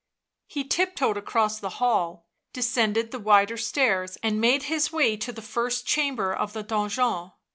He tiptoed across the hall, descended the wider stairs and made his way to the first chamber of the donjon.